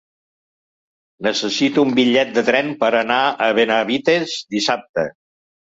Necessito un bitllet de tren per anar a Benavites dissabte.